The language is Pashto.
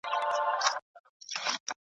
رېدي د اصفهان په کوڅو کې خپله مینه لټوله.